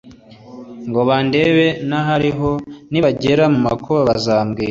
ngo bandebe n Ahari aho nibagera mu makuba bazambwira